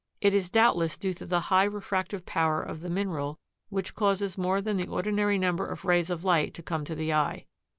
It is doubtless due to the high refractive power of the mineral, which causes more than the ordinary number of rays of light to come to the eye.